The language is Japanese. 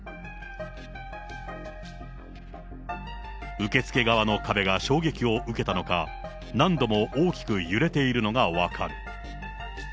受付側の壁が衝撃を受けたのか、何度も大きく揺れているのが分かる。